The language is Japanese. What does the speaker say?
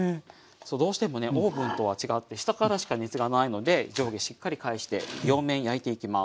そうどうしてもねオーブンとは違って下からしか熱がないので上下しっかり返して両面焼いていきます。